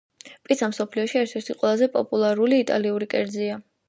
პიცა მსოფლიოში ერთ-ერთი ყველაზე პოპულარული იტალიური კერძია